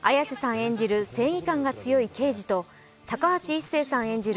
演じる正義感が強い刑事と高橋一生さん演じる